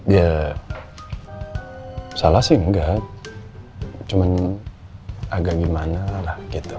iya salah sih engga cuman agak gimana lah gitu